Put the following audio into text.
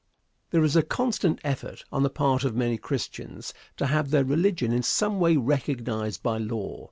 There is a constant effort on the part of many Christians to have their religion in some way recognized by law.